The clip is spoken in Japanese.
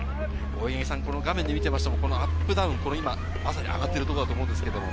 画面で見てましてもアップダウン、まさに上がっているところだと思いますが。